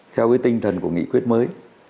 theo cái tinh thần của nghị quyết mới